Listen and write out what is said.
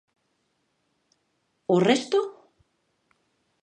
¿O resto?